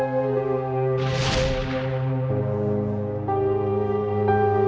terima kasih komandan